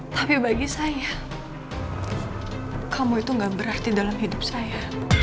tapi bagi saya kamu itu gak berarti dalam hidup saya